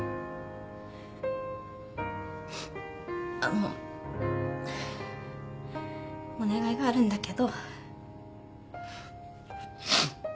あのお願いがあるんだけど。